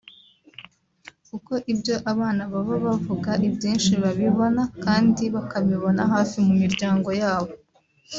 kuko ibyo abana baba bavuga ibyinshi babibona kandi bakabibona hafi mu miryango yabo